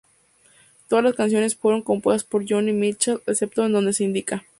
Todas las canciones fueron compuestas por Joni Mitchell; excepto en donde se indica.